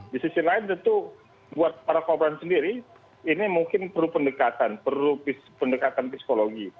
di sisi lain tentu buat para korban sendiri ini mungkin perlu pendekatan perlu pendekatan psikologi